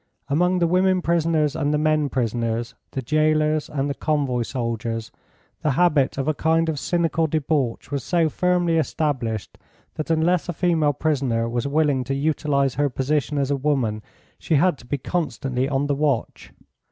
Among the women prisoners and the men prisoners, the jailers and the convoy soldiers, the habit of a kind of cynical debauch was so firmly established that unless a female prisoner was willing to utilise her position as a woman she had to be constantly on the watch.